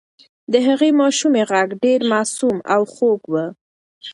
د هغې ماشومې غږ ډېر معصوم او خوږ و.